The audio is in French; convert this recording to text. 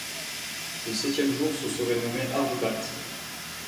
Le septième jour se serait nommé ʿaroubat.